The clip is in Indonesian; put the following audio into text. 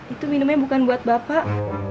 itu minumnya bukan buat bapak